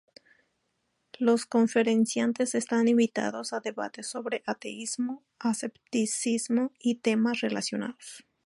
Los conferenciantes están invitados a debates sobre ateísmo, escepticismo y temas relacionados.